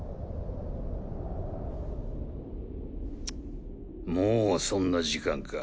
チッもうそんな時間か。